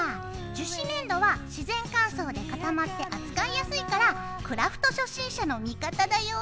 樹脂粘土は自然乾燥で固まって扱いやすいからクラフト初心者の味方だよ。